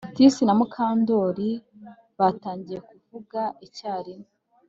Trix na Mukandoli batangiye kuvuga icyarimwe